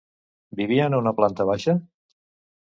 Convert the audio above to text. Vivien a una planta baixa?